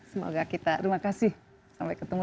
semoga kita terima kasih sampai ketemu